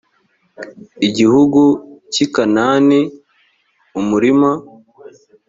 gihugu cy i kanani umurima